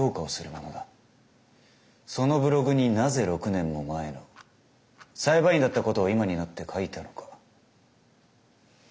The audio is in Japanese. そのブログになぜ６年も前の裁判員だったことを今になって書いたのか？